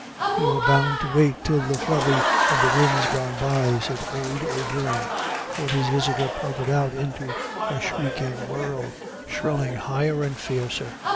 "You're bound to wait till the flurry of the win's gone by," said old O'Beirne, for his visitor pointed out into a shrieking whirl, shrilling higher and fiercer.